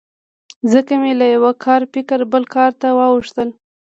څنګه مې له یوه کاره فکر بل کار ته واوښتل.